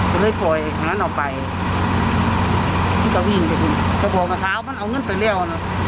ก็เลยปล่อยขนาดนั้นออกไปมันก็วิ่งไปมันก็บอกว่าเท้ามันเอาเงินไปแล้วน่ะ